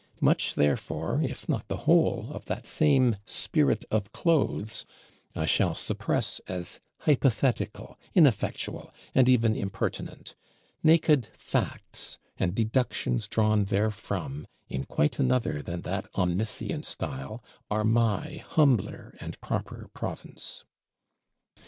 Much therefore, if not the whole, of that same 'Spirit of Clothes' I shall suppress as hypothetical, ineffectual, and even impertinent: naked Facts, and Deductions drawn therefrom in quite another than that omniscient style, are my humbler and proper province."